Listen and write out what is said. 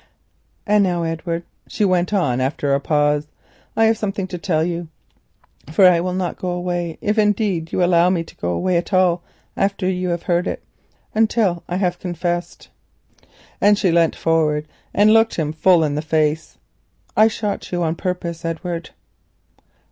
And now, Edward," she went on, after a pause, "I have something to tell you, for I will not go away, if indeed you allow me to go away at all after you have heard it, until I have confessed." And she leant forward and looked him full in the face, whispering—"_I shot you on purpose, Edward!